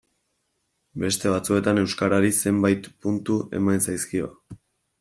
Beste batzuetan euskarari zenbait puntu eman zaizkio.